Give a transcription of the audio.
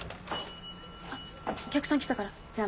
・あっお客さん来たからじゃあまた後で。